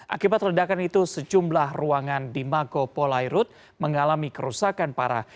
akibat ledakan itu sejumlah ruangan di mako polairut mengalami kerusakan parah